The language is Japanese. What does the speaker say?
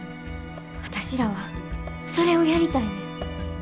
私らはそれをやりたいねん。